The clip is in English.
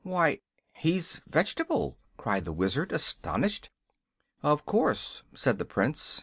"Why, he's vegetable!" cried the Wizard, astonished. "Of course," said the Prince.